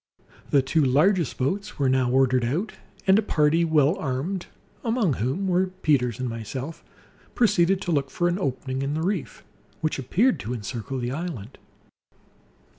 The two largest boats were now ordered out, and a party, well armed (among whom were Peters and myself), proceeded to look for an opening in the reef which appeared to encircle the island.